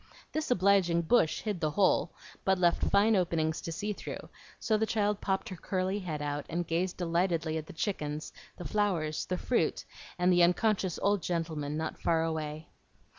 This obliging bush hid the hole, but left fine openings to see through; so the child popped her curly head out, and gazed delightedly at the chickens, the flowers, the fruit, and the unconscious old gentleman not far away.